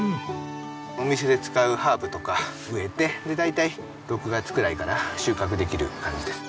お店で使うハーブとか植えて大体６月くらいから収穫できる感じです。